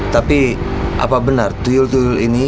tapi apa benar tuyul tuyul ini